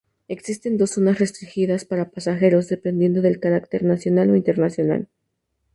Existen dos zonas restringidas para pasajeros, dependiendo del carácter nacional o internacional.